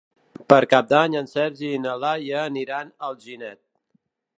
Per Cap d'Any en Sergi i na Laia aniran a Alginet.